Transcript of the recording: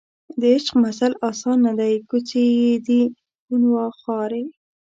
د عشق مزل اسان نه دی کوڅې یې دي خونخوارې